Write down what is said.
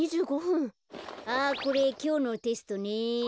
あっこれきょうのテストね。